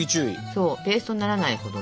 そうペーストにならないほどね。